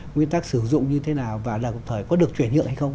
nguyên tác sử dụng như thế nào và là một thời có được chuyển nhượng hay không